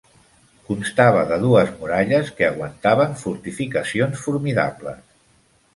Constava de dues muralles que aguantaven fortificacions formidables.